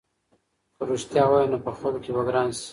که رښتیا ووایې نو په خلکو کې به ګران شې.